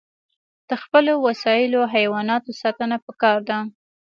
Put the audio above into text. د خپلو وسایلو او حیواناتو ساتنه پکار ده.